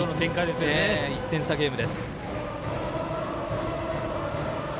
１点差ゲーム。